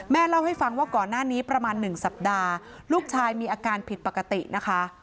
เล่าให้ฟังว่าก่อนหน้านี้ประมาณ๑สัปดาห์ลูกชายมีอาการผิดปกตินะคะ